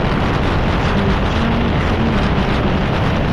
九江浔阳人人。